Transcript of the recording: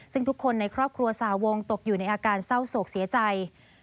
ซึ่งทุกคนในครอบครัวสาวงตกอยู่ในอาการเศร้าโศกเสียใจ